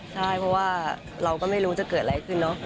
ใช่เพราะว่าเราก็ไม่รู้จะเกิดอะไรขึ้นเนอะ